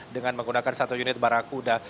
dengan menggunakan satu unit barakuda